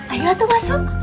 ayolah tuh masuk